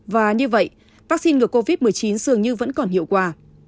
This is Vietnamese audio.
và như vậy vắc xin ngừa covid một mươi chín dường như vẫn còn hiệu quả